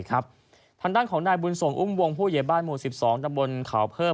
ทางด้านของนายบุญส่งอุ้มวงผู้เหยียบบ้านหมู่๑๒ตำบลเขาเพิ่ม